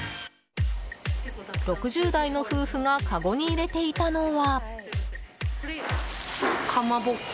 ６０代の夫婦がかごに入れていたのは。